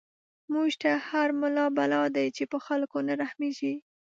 موږ ته هر ملا بلا دی، چی په خلکو نه رحميږی